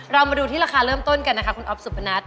เรามาดูที่ราคาเริ่มต้นกันนะคะคุณอ๊อฟสุพนัท